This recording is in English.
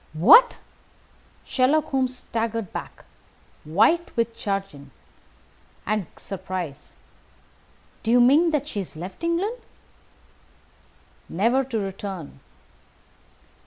"What!" Sherlock Holmes staggered back, white with chagrin and surprise. "Do you mean that she has left England?" "Never to return."